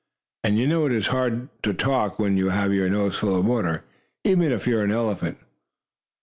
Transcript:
And you know it is hard to talk when you have your nose full of water, even if you are an elephant.